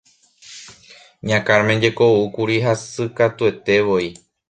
Ña Carmen jeko oúkuri hasykatuetévoi.